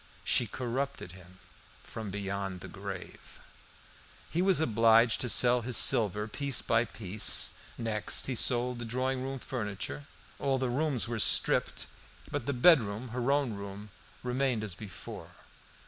She corrupted him from beyond the grave. He was obliged to sell his silver piece by piece; next he sold the drawing room furniture. All the rooms were stripped; but the bedroom, her own room, remained as before.